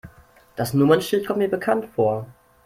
Das Nummernschild kommt mir bekannt vor.